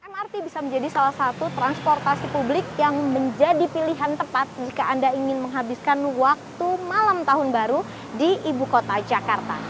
mrt bisa menjadi salah satu transportasi publik yang menjadi pilihan tepat jika anda ingin menghabiskan waktu malam tahun baru di ibu kota jakarta